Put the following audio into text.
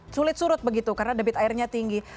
sulit surut begitu karena debit airnya tinggi